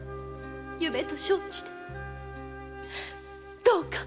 夢と承知でどうか。